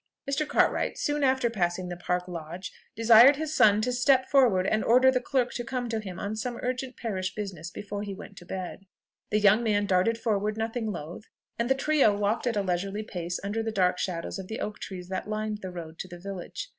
Mr. Cartwright soon after passing the Park lodge, desired his son to step forward and order the clerk to come to him on some urgent parish business before he went to bed. The young man darted forward nothing loth, and the trio walked at a leisurely pace under the dark shadows of the oak trees that lined the road to the village.